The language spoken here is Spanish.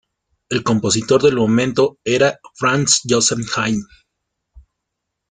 El compositor del momento era Franz Joseph Haydn.